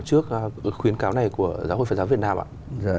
trước khuyến cáo này của giáo hội phật giáo việt nam ạ